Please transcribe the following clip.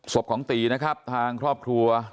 ของตีนะครับทางครอบครัว